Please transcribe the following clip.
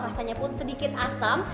rasanya pun sedikit asam